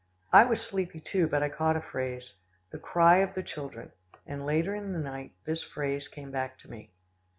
I was sleepy too, but I caught a phrase, "The cry of the children," and later in the night, this phrase came back to me.